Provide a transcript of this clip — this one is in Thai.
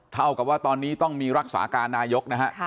เท่ากับว่าตอนนี้ต้องมีรักษาการนายกนะฮะ